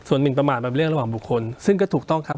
ส่วนหมินประมาทมันเป็นเรื่องระหว่างบุคคลซึ่งก็ถูกต้องครับ